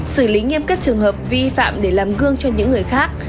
xử lý nghiêm cất trường hợp vi phạm để làm gương cho những người khác